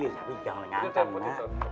iya tapi jangan nyangkan